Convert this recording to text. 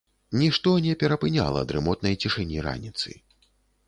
Нішто не перапыняла дрымотнай цішыні раніцы.